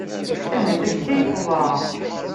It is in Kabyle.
Ahat akka i teḍra.